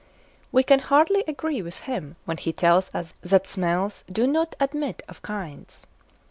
We can hardly agree with him when he tells us that smells do not admit of kinds.